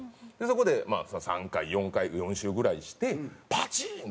そこでまあ３回４回４周ぐらいしてパチン！